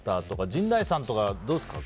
陣内さんとか、どうですか？